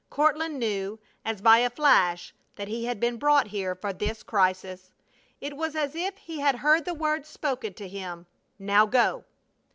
Courtland knew, as by a flash, that he had been brought here for this crisis. It was as if he had heard the words spoken to him, "Now go!"